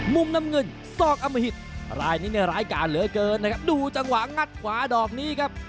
มุมน้ำเงินซอกอมหิตรายนี้เนี่ยร้ายการเหลือเกินนะครับดูจังหวะงัดขวาดอกนี้ครับ